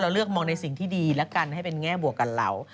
เลือกมองในสิ่งที่ดีและกันให้เป็นแง่บวกกับเรา